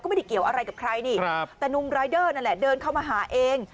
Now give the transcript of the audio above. ไม่ได้เกี่ยวอะไรกับใครนี่แต่นุ่มรายเดอร์นั่นแหละเดินเข้ามาหาเอง